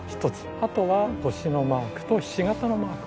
あとは星のマークとひし形のマーク。